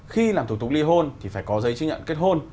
khi làm thủ tục ly hôn thì phải có giấy chứng nhận kết hôn